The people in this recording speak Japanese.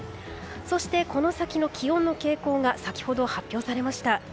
そして、この先の気温の傾向が先ほど発表されました。